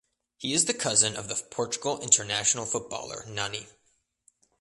He is the cousin of the Portugal international footballer Nani.